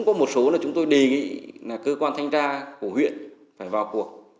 có một số là chúng tôi đề nghị là cơ quan thanh tra của huyện phải vào cuộc